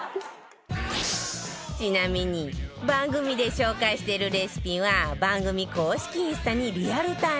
ちなみに番組で紹介しているレシピは番組公式インスタにリアルタイムで更新中